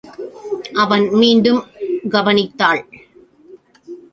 அவன் மீண்டும் கவனித்தாள்.